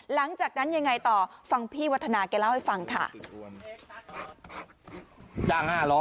หลังจากนั้นยังไงต่อฟังพี่วัฒนาแกเล่าให้ฟังค่ะ